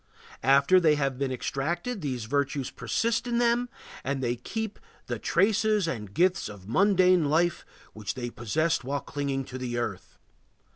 After they have been extracted these virtues persist in them and they keep "the traces and gifts of mundane life which they possessed while clinging to the earth."